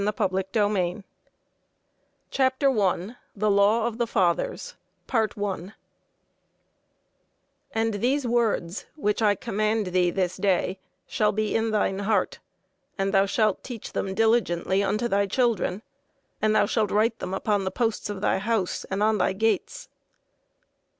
THEY WHO KNOCK AT OUR GATES I THE LAW OF THE FATHERS And these words, which I command thee this day, shall be in thine heart: and thou shalt teach them diligently unto thy children. ... And thou shalt write them upon the posts of thy house, and on thy gates.